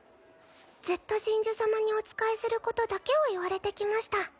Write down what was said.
ずっと神樹様にお仕えすることだけを言われてきました。